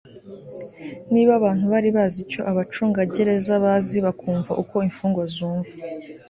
Niba abantu bari bazi icyo abacungagereza bazi bakumva uko imfungwa zumva